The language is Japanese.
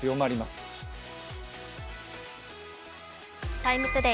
「ＴＩＭＥ，ＴＯＤＡＹ」